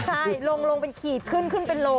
ใช่ลงเป็นขีดขึ้นขึ้นเป็นโล